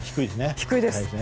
低いです。